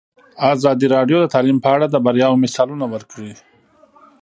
ازادي راډیو د تعلیم په اړه د بریاوو مثالونه ورکړي.